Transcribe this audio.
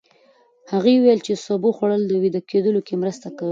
هغه وویل چې د سبو خوړل يې ویده کولو کې مرسته کړې.